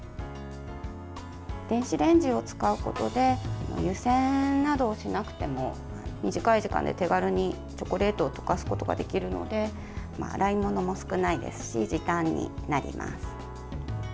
電子レンジを使うことで湯煎などをしなくても短い時間で手軽にチョコレートを溶かすことができるので洗い物も少ないですし時短になります。